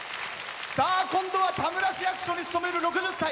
さあ今度は田村市役所に勤める６０歳。